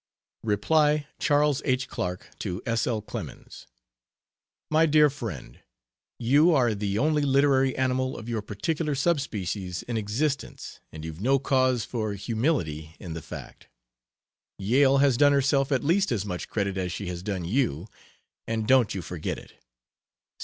Reply: Charles H. Clarke to S. L Clemens: MY DEAR FRIEND, You are "the only literary animal of your particular subspecies" in existence and you've no cause for humility in the fact. Yale has done herself at least as much credit as she has done you, and "Don't you forget it."